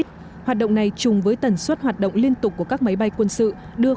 hoạt động này chung với tần suất hoạt động liên tục của các máy bay quân sự đưa